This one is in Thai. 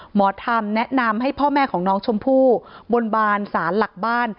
หมอธรรมแนะนำให้พ่อแม่ของน้องชมพู่บนบานสารหลักบ้าน